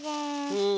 うん。